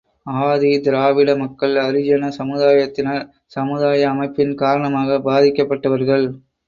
ஆதி திராவிட மக்கள் ஹரிஜன சமுதாயத்தினர், சமுதாய அமைப்பின் காரணமாகப் பாதிக்கப்பட்டவர்கள்.